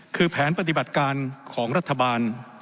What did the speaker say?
คือแผนปฏิบัติการของรัฐบาล